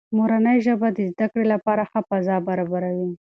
مورنۍ ژبه د زده کړې لپاره ښه فضا برابروي.